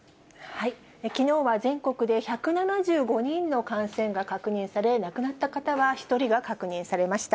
きのうは全国で１７５人の感染が確認され、亡くなった方は１人が確認されました。